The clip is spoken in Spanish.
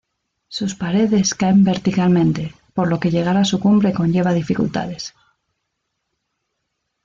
Sus paredes caen verticalmente, por lo que llegar a su cumbre conlleva dificultades.